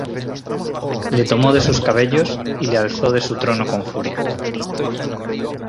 Le tomó de sus cabellos y le alzó de su trono con furia.